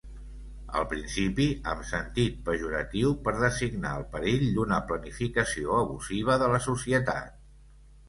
Al principi, amb sentit pejoratiu, per designar el perill d'una planificació abusiva de la societat.